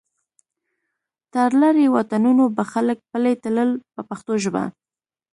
تر لرې واټنونو به خلک پلی تلل په پښتو ژبه.